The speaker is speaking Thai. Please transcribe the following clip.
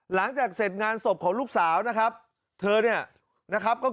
หลังจากเสร็จงานศพของลูกสาวนะครับ